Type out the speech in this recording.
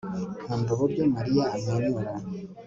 nkunda uburyo mariya amwenyura